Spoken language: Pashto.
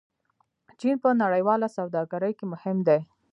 چین په نړیواله سوداګرۍ کې مهم دی.